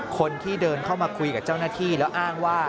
คนที่เดินเข้ามาคุยกับเจ้าหน้าที่แล้วอ้างว่า